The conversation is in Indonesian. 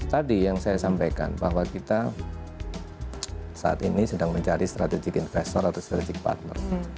tadi yang saya sampaikan bahwa kita saat ini sedang mencari strategic investor atau strategic partner